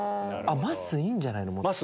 まっすーいいんじゃないの？